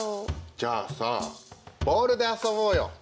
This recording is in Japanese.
じゃあさボールで遊ぼうよ。